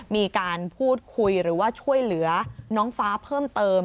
มีการพูดคุยหรือว่าช่วยเหลือน้องฟ้าเพิ่มเติม